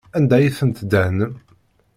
Anda ay ten-tdehnem?